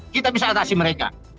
kita bisa atasi mereka